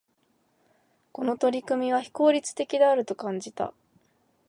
この取り組みは、非効率的であると感じた。